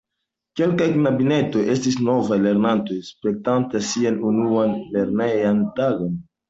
Kelkaj knabinetoj estis novaj lernantoj, spertantaj sian unuan lernejan tagon.